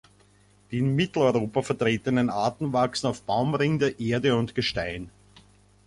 Die in Mitteleuropa vertretenen Arten wachsen auf Baumrinde, Erde und Gestein.